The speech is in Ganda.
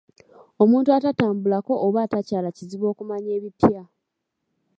Omuntu atatambulako oba atakyala kizibu okumanya ebipya.